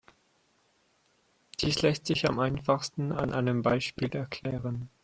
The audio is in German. Dies lässt sich am einfachsten an einem Beispiel erklären.